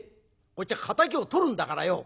こっちは敵を取るんだからよ。